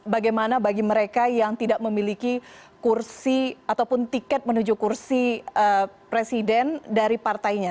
bagaimana bagi mereka yang tidak memiliki kursi ataupun tiket menuju kursi presiden dari partainya